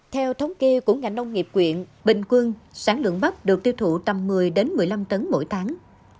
theo thống kê của ngành nông nghiệp quyện bình quân sản lượng bắp được tiêu thụ tầm một mươi một mươi năm tấn mỗi tháng